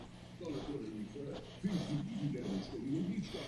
S velkým nadšením si získané peníze mladí hasiči uložili pro své další využití.